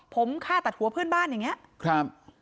ผมฆ่าตัดหัวเพื่อนบ้านอย่างเงี้ยครับ